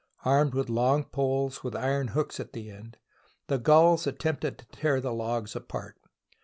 Armed with long poles with iron hooks at the end, the Gauls attempted to tear the logs apart.